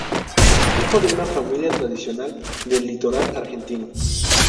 Hijo de una familia tradicional del litoral argentino.